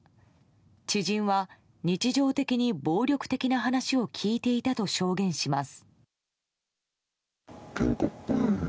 知人は、日常的に暴力的な話を聞いていたと証言します。